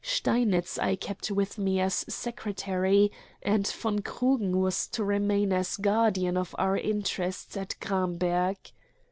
Steinitz I kept with me as secretary, and von Krugen was to remain as guardian of our interests at Gramberg.